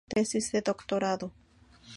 Tesis de doctorado.